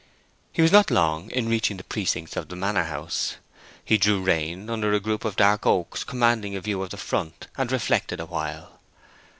He was not long in reaching the precincts of the Manor House. He drew rein under a group of dark oaks commanding a view of the front, and reflected a while.